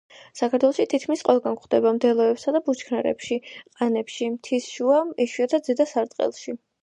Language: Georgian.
საქართველოში თითქმის ყველგან გვხვდება მდელოებსა და ბუჩქნარებში, ყანებში, მთის შუა, იშვიათად ზედა სარტყელში.